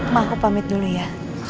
mah aku pamit dulu ya